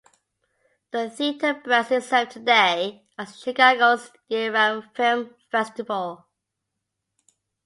The theater brands itself today as "Chicago's year-round film festival".